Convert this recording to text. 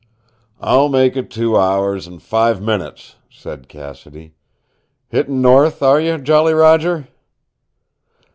"I'll make it two hours and five minutes," said Cassidy. "Hittin' north are you, Jolly Roger?"